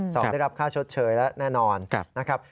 ได้รับค่าชดเชยแล้วแน่นอนนะครับ